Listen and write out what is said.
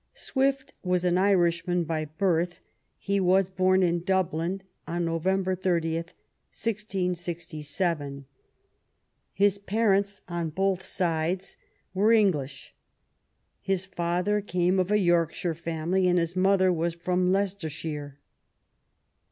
Swift was an Irishman by birth — he was bom in Dub lin on November 30, 1667. His parents on both sides were English; his father came of a Yorkshire family, and his mother was from Leicestershire.